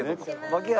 槙原